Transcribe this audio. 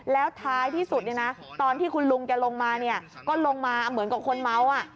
แล้วท้ายที่สุดเนี่ยนะตอนที่คุณลุงแกลงมาเนี่ยก็ลงมาเหมือนกับคนเมา